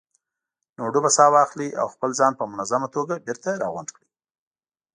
نو ډوبه ساه واخلئ او خپل ځان په منظمه توګه بېرته راغونډ کړئ.